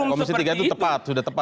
komisi tiga itu tepat